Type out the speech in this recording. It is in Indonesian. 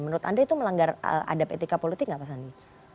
menurut anda itu melanggar adab etika politik nggak pak sandi